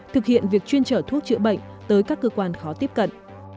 thực hiện việc chuyên trở thuốc chữa bệnh tới các cơ quan khó tiếp cận